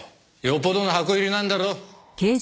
よっぽどの箱入りなんだろ。